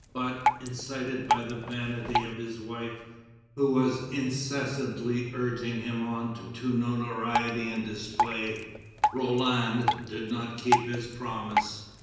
But, incited by the vanity of his wife, who was incessantly urging him on to notoriety and display, Roland did not keep this promise.